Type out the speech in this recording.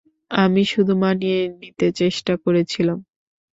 আমি শুধু মানিয়ে নিতে চেষ্টা করছিলাম।